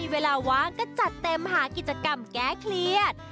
เวลาว่างก็จัดเต็มหากิจกรรมแก้เครียด